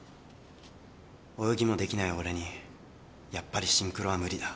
泳ぎもできない俺にやっぱりシンクロは無理だ。